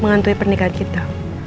menghantui pernikahan kita